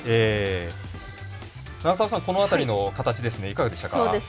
永里さん、この辺りの形いかがでしたか？